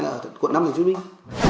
ở quận năm hồ chí minh